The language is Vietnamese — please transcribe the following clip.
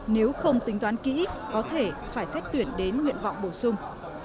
nếu không tính toán kỹ có thể phải xét tuyển đến nguyện vọng bổ sung